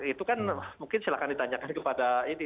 itu kan mungkin silahkan ditanyakan kepada ini